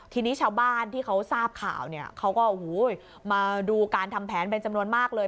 ทีนี้ชาวบ้านที่เขาทราบข่าวเนี่ยเขาก็มาดูการทำแผนเป็นจำนวนมากเลย